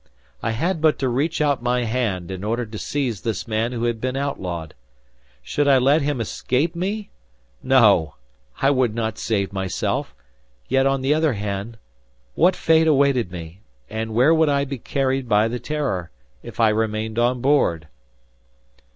I had but to reach out my hand in order to seize this man who had been outlawed! Should I let him escape me! No! I would not save myself! Yet, on the other hand, what fate awaited me, and where would I be carried by the "Terror," if I remained on board?